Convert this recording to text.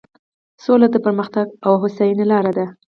سوله د پرمختګ او هوساینې لاره ده.